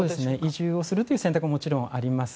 移住をするという選択もあります。